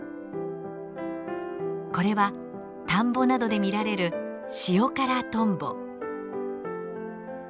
これは田んぼなどで見られるシオカラトンボ。